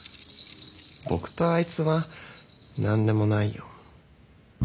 僕とあいつは何でもないよ。